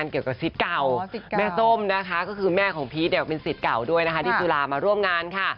หนูว่าหนูคงทิ้งไม่ได้ค่ะ